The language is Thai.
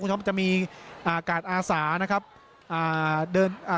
คุณผู้ชมครับจะมีอ่ากาดอาสานะครับอ่าเดินอ่า